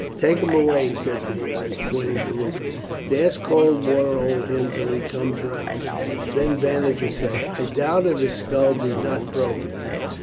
Take him away," he said to the others, pointing to Lupus. "Dash cold water over him till he comes round, and then bandage his head. I doubt if his skull be not broken.